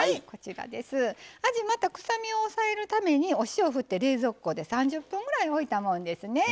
あじ、臭みを抑えるときにお塩を振って冷蔵庫で３０分くらい置いたものですね。